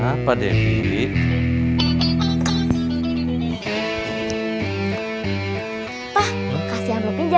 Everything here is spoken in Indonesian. apa deh pilih